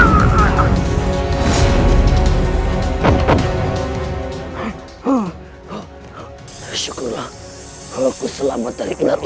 selain betul buruk kanda selalu ber effeminate artisan